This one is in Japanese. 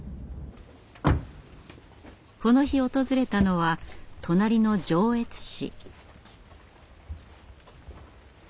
この日訪れたのは隣の上越市。